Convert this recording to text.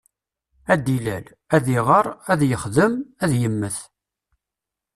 Ad d-ilal, ad iɣer, ad yexdem, ad yemmet.